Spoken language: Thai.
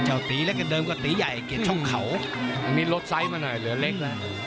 ตีเล็กกับเดิมก็ตีใหญ่เกียรติช่องเขาอันนี้ลดไซส์มาหน่อยเหลือเล็กนะ